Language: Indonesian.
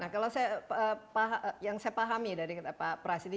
nah kalau yang saya pahami dari pak prasidi